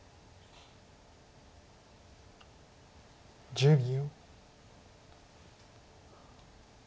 １０秒。